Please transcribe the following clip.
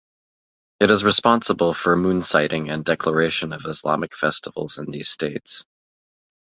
It is responsible for moon sighting and declaration of Islamic festivals in these states.